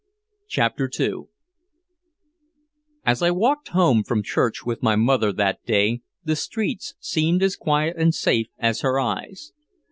CHAPTER II As I walked home from church with my mother that day the streets seemed as quiet and safe as her eyes.